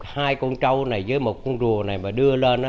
hai con trâu này với một con rùa này mà đưa lên